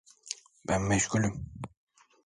Ben meşgulüm.